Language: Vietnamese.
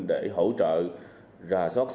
cơ quan điều tra công an đồng nai